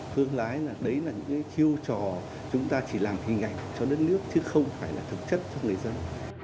hướng lái là đấy là những chiêu trò chúng ta chỉ làm hình ảnh cho đất nước chứ không phải là thực chất cho người dân